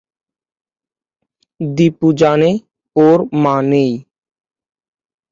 দীপু জানে ওর মা নেই।